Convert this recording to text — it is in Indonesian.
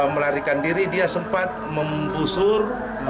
melarikan diri dia sempat menggusur